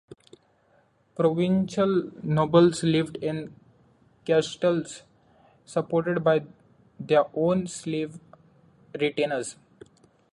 Provincial nobles lived in castles supported by their own slave retainers.